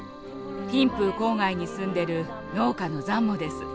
ティンプー郊外に住んでる農家のザンモです。